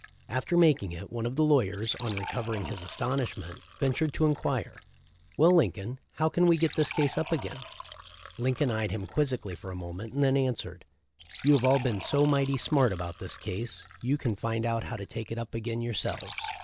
After making it one of the lawyers, on recovering his astonishment, ventured to enquire, "Well, Lincoln, * H. C. Whitney, MS., letter, Nov. 13, 1865. THE LIFE OF LINCOLN. 349 how can we get this case up again?" Lincoln eyed him quizzically a moment, and then answered, "You have all been so 'mighty smart about this case you can find out how to take it up again yourselves."